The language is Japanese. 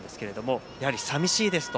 やはりさみしいです。